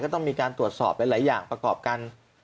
ต้องมีการตรวจสอบหลายอย่างประกอบกัน